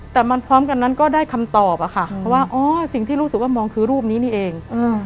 แต่มันพร้อมกันนั้นก็ได้คำตอบอะค่ะเพราะว่าอ๋อสิ่งที่รู้สึกว่ามองคือรูปนี้นี่เอง